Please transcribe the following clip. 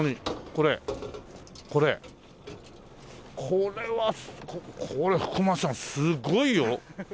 これはこれ福間さんすごいよ。